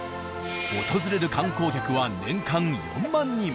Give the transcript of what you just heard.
訪れる観光客は年間４万人。